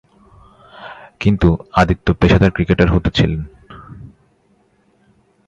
কিন্তু আদিত্য পেশাদার ক্রিকেটার হতে ছিলেন।